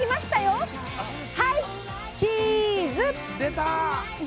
はいチーズ！出た！